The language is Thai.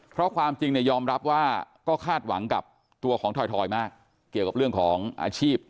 เพราะความจริงเนี่ยยอมรับว่าก็คาดหวังกับตัวของถอยมากเกี่ยวกับเรื่องของอาชีพ